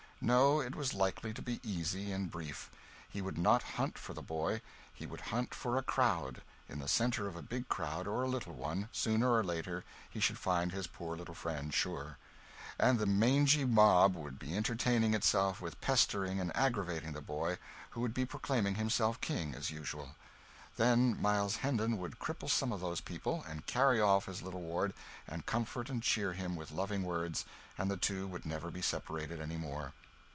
No, it was likely to be easy and brief. He would not hunt for the boy, he would hunt for a crowd; in the centre of a big crowd or a little one, sooner or later, he should find his poor little friend, sure; and the mangy mob would be entertaining itself with pestering and aggravating the boy, who would be proclaiming himself King, as usual. Then Miles Hendon would cripple some of those people, and carry off his little ward, and comfort and cheer him with loving words, and the two would never be separated any more.